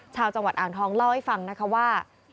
ชาวจังหวัดอ่างทองเล่าว่า